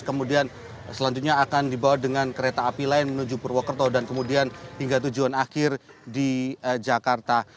kemudian selanjutnya akan dibawa dengan kereta api lain menuju purwokerto dan kemudian hingga tujuan akhir di jakarta